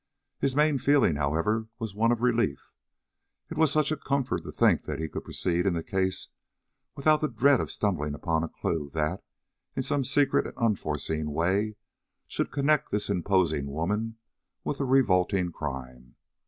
His main feeling, however, was one of relief. It was such a comfort to think he could proceed in the case without the dread of stumbling upon a clue that, in some secret and unforeseen way, should connect this imposing woman with a revolting crime.